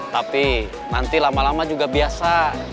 tapi nanti lama lama juga biasa